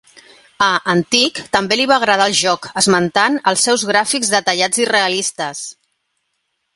A "Antic" també li va agradar el joc, esmentant els seus "gràfics detallats i realistes".